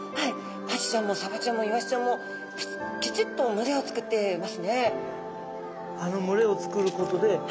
アジちゃんもサバちゃんもイワシちゃんもきちっと群れをつくってますね。